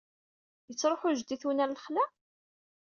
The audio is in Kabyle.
Yettṛuḥu jeddi-twen ɣer lexla?